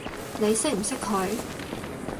你識唔識佢？